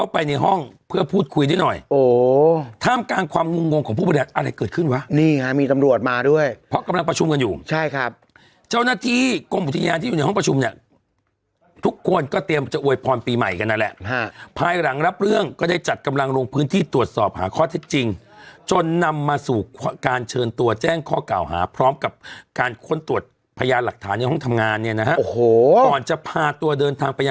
เพื่อพูดคุยด้วยหน่อยถ้ามการความงงงของผู้ปริหารอะไรเกิดขึ้นวะนี่ไงมีตำรวจมาด้วยเพราะกำลังประชุมกันอยู่ใช่ครับเจ้าหน้าที่กรมอุทยาที่อยู่ในห้องประชุมเนี่ยทุกคนก็เตรียมจะอวยพรปีใหม่กันนั่นแหละภายหลังรับเรื่องก็ได้จัดกำลังลงพื้นที่ตรวจสอบหาข้อเท็จจริงจนนำมาสู่การเชิญตัวแ